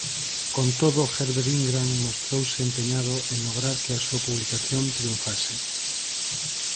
Con todo Herbert Ingram mostrouse empeñado en lograr que a súa publicación triunfase.